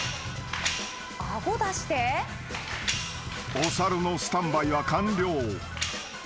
［お猿のスタンバイは完了。